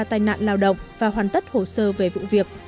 tai nạn lao động và hoàn tất hồ sơ về vụ việc